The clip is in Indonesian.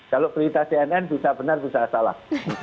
kalau berfirman tnn bisa benar bisa salah